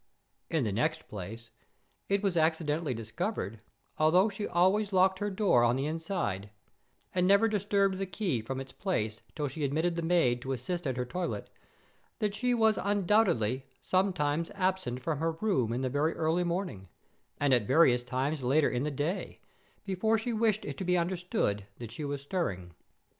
In the next place, it was accidentally discovered, although she always locked her door on the inside, and never disturbed the key from its place till she admitted the maid to assist at her toilet, that she was undoubtedly sometimes absent from her room in the very early morning, and at various times later in the day, before she wished it to be understood that she was stirring.